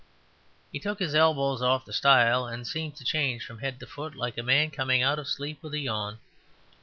He took his elbows off the stile and seemed to change from head to foot like a man coming out of sleep with a yawn.